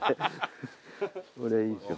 これいいでしょ。